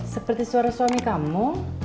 seperti suara suami kamu